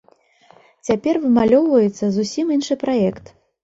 Цяпер вымалёўваецца зусім іншы праект.